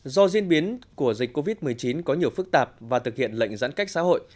do diễn biến của dịch covid một mươi chín có nhiều phức tạp và thực hiện lệnh giãn cách xã hội